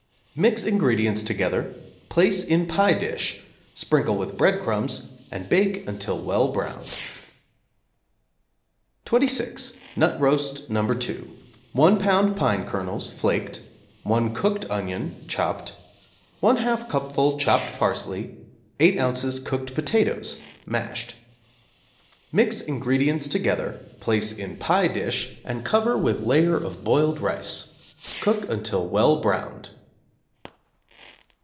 Mix ingredients together, place in pie dish, sprinkle with breadcrumbs, and bake until well browned. =26. Nut Roast No. 2= 1 lb. pine kernels (flaked), 1 cooked onion (chopped), 1/2 cupful chopped parsley, 8 ozs. cooked potatoes (mashed). Mix ingredients together, place in pie dish and cover with layer of boiled rice. Cook until well browned.